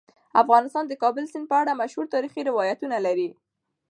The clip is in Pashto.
افغانستان د د کابل سیند په اړه مشهور تاریخی روایتونه لري.